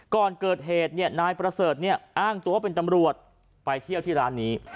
ก่อนเกิดเหตุนายประเสริฐอ้างตัวเป็นตำรวจไปเที่ยวที่ร้านนี้